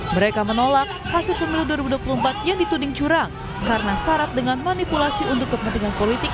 mereka menolak hasil pemilu dua ribu dua puluh empat yang dituding curang karena syarat dengan manipulasi untuk kepentingan politik